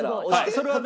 それはね